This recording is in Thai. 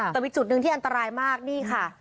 แต่มีจุดหนึ่งที่อันตรายมากนี่ค่ะ